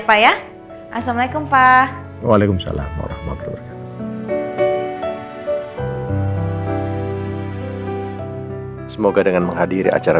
pak ya assalamualaikum pak waalaikumsalam warahmatullahi wabarakatuh semoga dengan menghadiri acara